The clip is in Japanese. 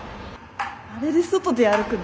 あれで外出歩くの？